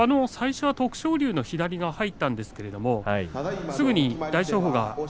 初め徳勝龍の左が入ったんですがすぐに大翔鵬が。